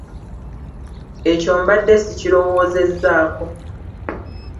Ekyo mbadde sikirowoozezzaako.